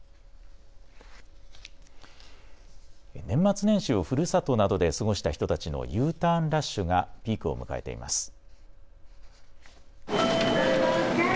年末年始をふるさとなどで過ごした人たちのＵターンラッシュがピークを迎えています。